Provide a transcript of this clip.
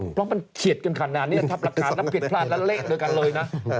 เพราะมันเฉียดกันขนาดนี้ถ้าหลักฐานนั้นผิดพลาดแล้วเร่งด้วยกันเลยนะ